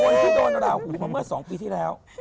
ที่โดนราหูมาเมื่อ๒ปีที่แล้ว